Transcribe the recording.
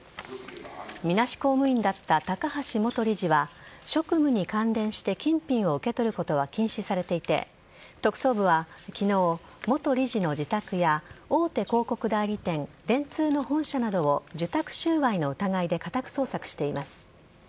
みなし公務員だった高橋元理事は職務に関連して金品を受け取ることは禁止されていて特捜部は昨日、元理事の自宅や大手広告代理店電通の本社などを受託収賄の疑いで家宅捜索しています。